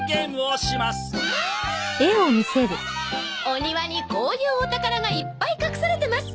お庭にこういうお宝がいっぱい隠されてます。